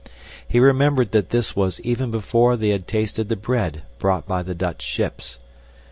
He remembered that this was even before they had tasted the bread brought by the Dutch ships.